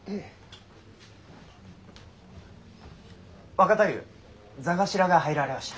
若太夫座頭が入られました。